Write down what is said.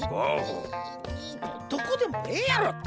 どこでもええやろって！